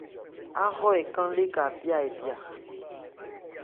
Áhrɔ́ ɛ kán léka pyá ɛ pyá ?